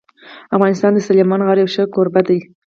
افغانستان د سلیمان غر یو ښه کوربه دی.